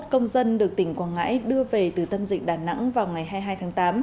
ba trăm bốn mươi một công dân được tỉnh quảng ngãi đưa về từ tâm dịch đà nẵng vào ngày hai mươi hai tháng tám